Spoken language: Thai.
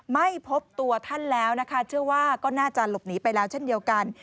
ไม่พบตัวท่านแล้วนะคะเชื่อว่าก็น่าจะหลบหนีไปแล้วเช่นเดียวกัน